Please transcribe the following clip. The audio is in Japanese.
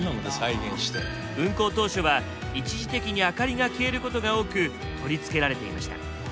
運行当初は一時的に明かりが消えることが多く取り付けられていました。